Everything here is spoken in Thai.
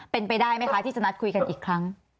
เป็นไปได้ไหมคะที่จะนัดคุยกันอีกครั้ง